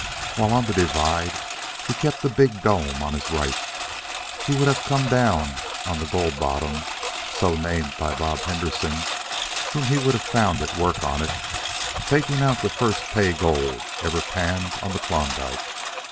While on the divide, had he kept the big dome on his right, he would have come down on the Gold Bottom, so named by Bob Henderson, whom he would have found at work on it, taking out the first pay gold ever panned on the Klondike.